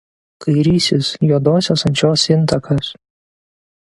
Kairysis Juodosios Ančios intakas.